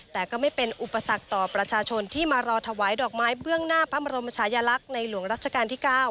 แต่ก็ไม่เป็นอุปสรรคต่อประชาชนที่มารอถวายดอกไม้เบื้องหน้าพระบรมชายลักษณ์ในหลวงรัชกาลที่๙